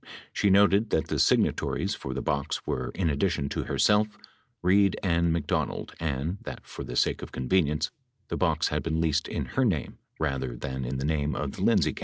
She noted that the signatories for the box were, in addition to herself, Reid and McDonald and that, for the sake of convenience, the box had been leased in her name rather than in the name of the Lindsay campaign.